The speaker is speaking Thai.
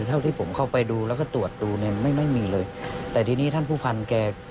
เท่าที่ผมเข้าไปดูแล้วก็ตรวจดูเนี่ยไม่ไม่มีเลยแต่ทีนี้ท่านผู้พันธ์แก